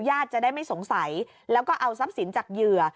ญาติจะได้ไม่สงสัยแล้วก็เอาทรัพย์สินจากเหยื่อ